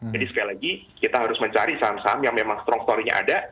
jadi sekali lagi kita harus mencari saham saham yang memang strong story nya ada